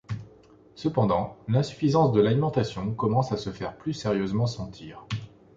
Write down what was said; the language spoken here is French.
Cependant, l’insuffisance de l’alimentation commence à se faire plus sérieusement sentir.